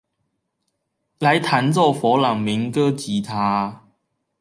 來彈奏佛朗明哥吉他